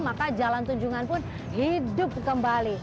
maka jalan tunjungan pun hidup kembali